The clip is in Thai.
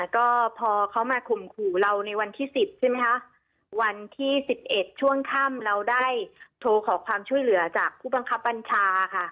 ก็พอเขามาข่มขู่เราในวันที่๑๐ใช่ไหมคะวันที่๑๑ช่วงค่ำเราได้โทรขอความช่วยเหลือจากผู้บังคับบัญชาค่ะ